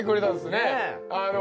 ねえ！